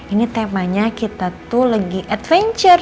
ini temanya kita tuh lagi adventure